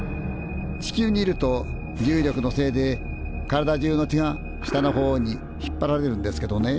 地球にいると重力のせいで体中の血が下の方に引っ張られるんですけどね